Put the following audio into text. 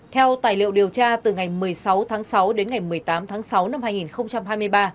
theo tài liệu điều tra từ ngày một mươi sáu tháng sáu đến ngày một mươi tám tháng sáu năm hai nghìn hai mươi ba